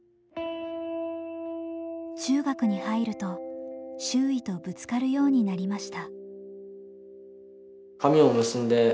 中学に入ると周囲とぶつかるようになりました。